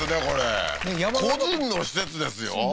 これ個人の施設ですよ